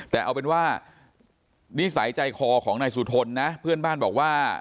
แต่เอาเป็นว่านิสัยใจคอของนายสุทนนะเพื่อนบ้านบอกว่า